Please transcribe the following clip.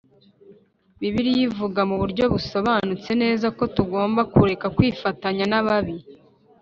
Bibiliya ivuga mu buryo busobanutse neza ko tugomba kureka kwifatanya n’ababi